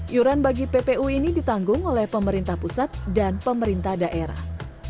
iuran bagi ppu ini ditanggung oleh pemerintah pusat dan pemerintah daerah